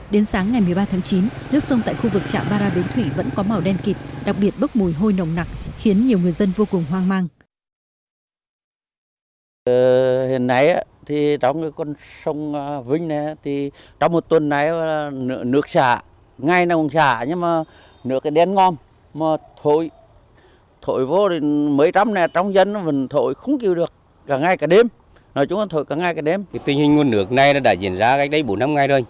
đến sáng ngày một mươi ba tháng chín nước sông tại khu vực trạm bara bến thủy vẫn có màu đen kịt đặc biệt bốc mùi hôi nồng nặng khiến nhiều người dân vô cùng hoang mang